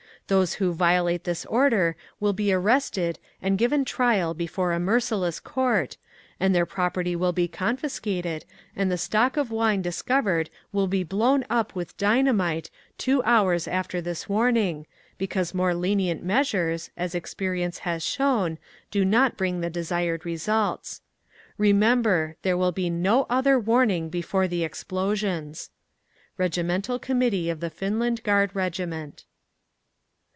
Those who violate this order will be arrested and given trial before a merciless court, and their property will be confiscated, and the stock of wine discovered will be BLOWN UP WITH DYNAMITE 2 hours after this warning, because more lenient measures, as experience has shown, do not bring the desired results. REMEMBER, THERE WILL BE NO OTHER WARNING BEFORE THE EXPLOSIONS. _Regimental Committee of the Finland Guard Regiment.